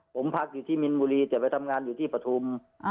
ผมพักอยู่ที่มินบุรีแต่ไปทำงานอยู่ที่ปฐุม